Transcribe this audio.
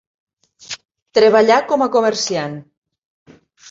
Treballà com a comerciant.